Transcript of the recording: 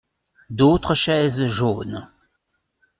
D’autres chaises jaunes.